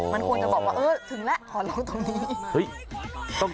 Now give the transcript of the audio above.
มันควรจะบอกว่าเออถึงแล้วขอร้องตรงนี้